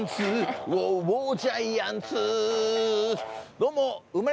どうも！